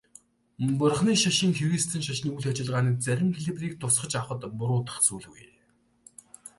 Бурханы шашин христийн шашны үйл ажиллагааны зарим хэлбэрийг тусгаж авахад буруудах зүйлгүй.